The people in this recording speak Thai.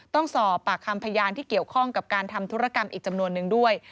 ต้องสอบปากคำพยานที่เกี่ยวข้องกับการทำธุรกรรมอีกจำนวนนึงด้วย